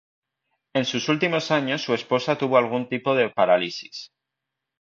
En sus últimos años su esposa tuvo algún tipo de parálisis.